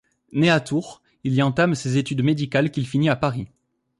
Né à Tours, il y entame ses études médicales qu'il finit à Paris.